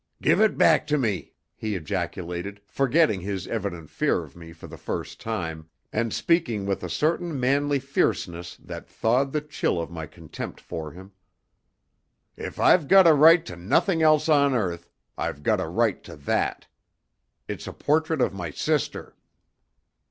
"Give it back to me!" he ejaculated, forgetting his evident fear of me for the first time, and speaking with a certain manly fierceness that thawed the chill of my contempt for him. "If I've got a right to nothing else on earth, I've got a right to that. It's a portrait of my sister."